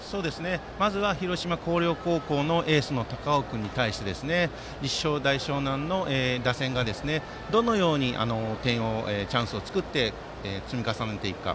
まずは広島・広陵高校のエースの高尾君に対して立正大淞南の打線がどのようにチャンスを作って点を積み重ねていくか。